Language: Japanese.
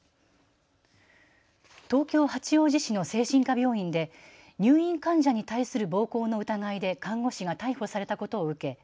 東京八王子市の精神科病院で入院患者に対する暴行の疑いで看護師が逮捕されたことを受け